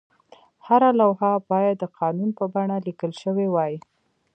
هره لوحه باید د قانون په بڼه لیکل شوې وای.